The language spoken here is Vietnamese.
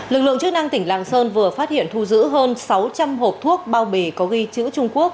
lực lượng chức năng tỉnh lạng sơn vừa phát hiện thu giữ hơn sáu trăm linh hộp thuốc bao bì có ghi chữ trung quốc